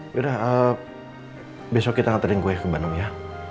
yaudah besok kita nangterin kue ke banung ya